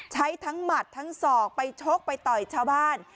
ใช้ทั้งหมัดทั้งศอกไปชกไปต่อยชาวบ้าน